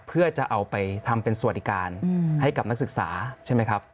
เพื่อจะเอาไปทำเป็นสวัสดิการให้กับนักศึกษาใช่ไหมครับ